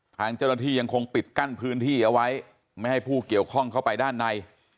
ทางเจ้าหน้าที่ยังคงปิดกั้นพื้นที่เอาไว้ไม่ให้ผู้เกี่ยวข้องเข้าไปด้านใน